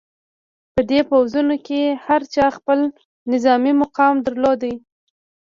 په دې پوځونو کې هر چا خپل نظامي مقام درلود.